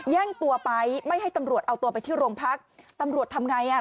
แย่งตัวไปไม่ให้ตำรวจเอาตัวไปที่โรงพักตำรวจทำไงอ่ะ